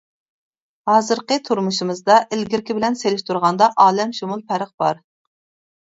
ھازىرقى تۇرمۇشىمىزدا ئىلگىرىكى بىلەن سېلىشتۇرغاندا ئالەمشۇمۇل پەرق بار.